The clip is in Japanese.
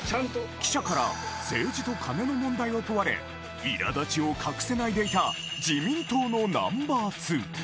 記者から、政治とカネの問題を問われ、いらだちを隠せないでいた自民党のナンバー２。